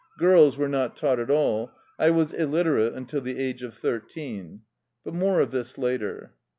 Girls were not taught at all. I was illiterate until the age of thirteen. But more of this later.